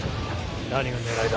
何が狙いだ？